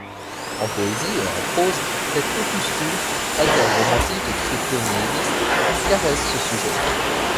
En poésie et en prose, cet opus-cul alter-romantique et crypto-nihiliste caresse ce sujet.